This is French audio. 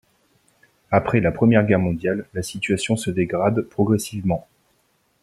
Après la Première Guerre mondiale, la situation se dégrade progressivement.